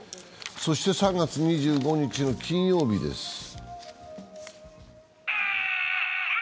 そして、３月２５日の金曜日です。